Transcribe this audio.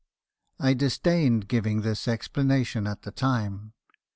I disdained giving this explanation at the time.